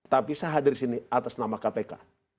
tapi saya hadir di sini atas nama kpk